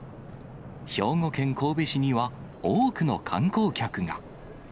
兵庫県神戸市には、多くの観光客が。